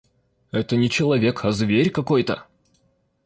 Это не человек, а зверь какой-то!